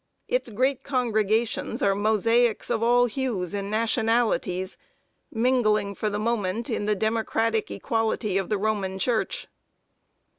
Its great congregations are mosaics of all hues and nationalities, mingling for the moment in the democratic equality of the Roman Church.